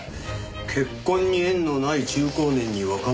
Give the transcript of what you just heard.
「結婚に縁のない中高年に若者を紹介」。